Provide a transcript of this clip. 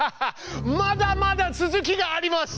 まだまだ続きがあります。